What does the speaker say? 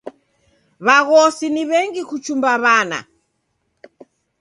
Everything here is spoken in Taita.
W'aghosi ni w'engi kuchumba w'ana.